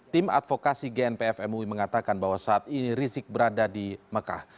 tim advokasi gnpf mui mengatakan bahwa saat ini rizik berada di mekah